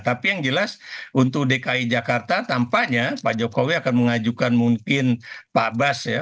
tapi yang jelas untuk dki jakarta tampaknya pak jokowi akan mengajukan mungkin pak bas ya